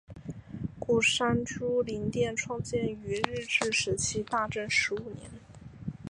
鼓山珠灵殿创建于日治时期大正十五年。